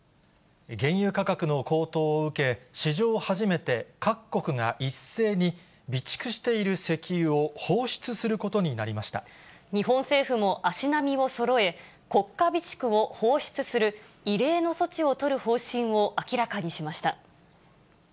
原油価格の高騰を受け、史上初めて各国が一斉に、備蓄している石油を放出することになり日本政府も足並みをそろえ、国家備蓄を放出する、異例の措置を取る方針を明らかにしました。